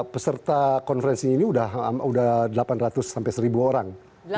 peserta konferensi ini sudah delapan ratus sampai seribu orang